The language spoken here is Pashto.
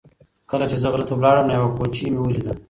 کله چې زه غره ته لاړم نو یوه کوچۍ مې ولیده.